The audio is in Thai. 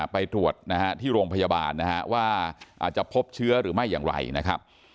ไปตรวจที่โรงพยาบาลว่าจะพบเชื้อหรือไม่อย่างไรนะครับ